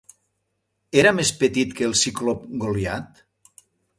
Era més petit que el ciclop Goliat?